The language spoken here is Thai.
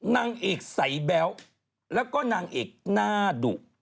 นางเอกสายแบ๊วแล้วก็นางเอกหน้าดุ